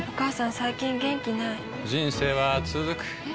最近元気ない人生はつづくえ？